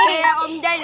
kayak om dayu